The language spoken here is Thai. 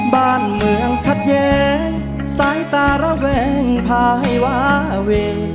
บ้านเมืองขัดแย้งสายตาระแวงพาให้วาเว